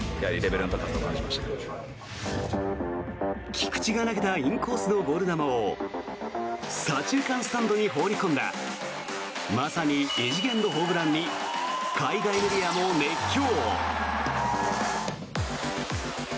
菊池が投げたインコースのボール球を左中間スタンドに放り込んだまさに異次元のホームランに海外メディアも熱狂。